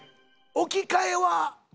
置き換え？